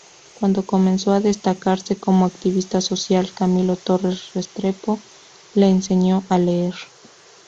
Cuando comenzó a destacarse como activista social, Camilo Torres Restrepo le enseñó a leer.